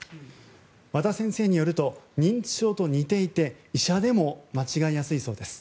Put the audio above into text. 和田先生によると認知症と似ていて医者でも間違えやすいそうです。